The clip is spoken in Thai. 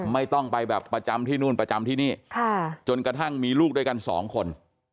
ไม่ต้องไปแบบประจำที่นู่นประจำที่นี่จนกระทั่งมีลูกด้วยกันสองคน